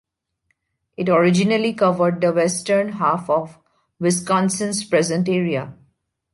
It originally covered the western half of Wisconsin's present area.